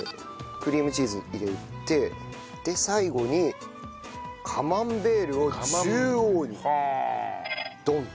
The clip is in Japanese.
クリームチーズ入れてで最後にカマンベールを中央にドン！